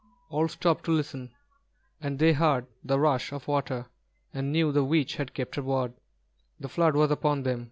All stopped to listen, and they heard the rush of water, and knew the witch had kept her word, the flood was upon them.